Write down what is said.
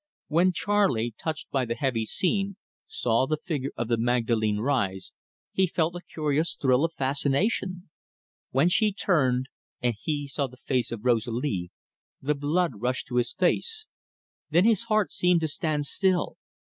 When Charley, touched by the heavy scene, saw the figure of the Magdalene rise, he felt a curious thrill of fascination. When she turned, and he saw the face of Rosalie, the blood rushed to his face; then his heart seemed to stand still.